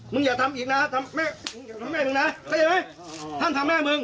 มึงอย่าทำอีกนะทำแม่ทำแม่มึงนะท่านทำแม่มึง